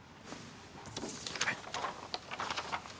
はい。